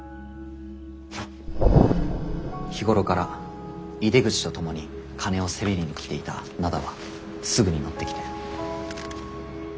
日頃から井出口とともに金をせびりに来ていた灘はすぐに乗ってきて。